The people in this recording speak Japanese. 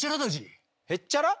へっちゃら？